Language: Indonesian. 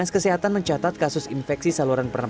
dinas kesehatan mencatat kasus infeksi saluran pernafasan